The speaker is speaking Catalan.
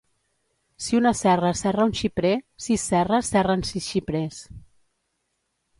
Si una serra serra un xiprer, sis serres serren sis xiprers